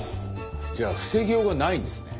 じゃあ防ぎようがないんですね。